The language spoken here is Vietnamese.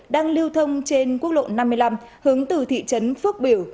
đang lưu thông trên quốc lộ năm mươi năm hướng từ thị trấn phước biểu